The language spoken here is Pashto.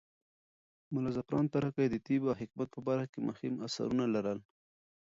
ملا زعفران تره کى د طب او حکمت په برخه کې مهم اثرونه لرل.